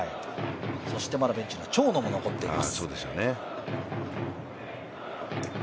そしてまだベンチの長野も残っています。